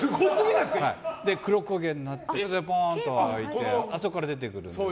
黒こげになってポーンと開いてあそこから出てくるんです。